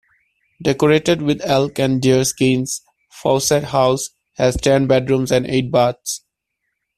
Decorated with elk and deer skins, Fawcett House has ten bedrooms and eight baths.